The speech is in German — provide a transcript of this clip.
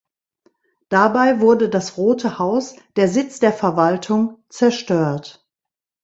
Dabei wurde das Rote Haus, der Sitz der Verwaltung, zerstört.